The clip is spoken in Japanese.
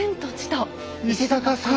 石坂さん。